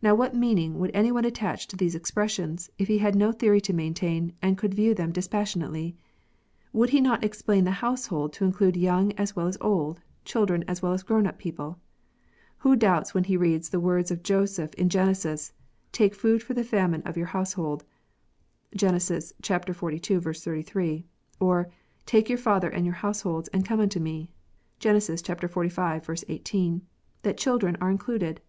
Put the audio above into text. Now what meaning would any one attach to these expressions, if he had no theory to maintain, and could view them dispassionately ? Would he not explain the " household " to include young as well as old, chil dren as well as grown up people 1 Who doubts when he reads the words of Joseph in Genesis, " take food for the famine of your households " (Gen. xlii. 33) ; or, " take your father and your households and come unto me" (Gen. xlv. 18), that chil dren are included?